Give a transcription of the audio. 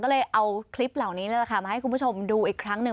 ก็เลยเอาคลิปเหล่านี้มาให้คุณผู้ชมดูอีกครั้งหนึ่ง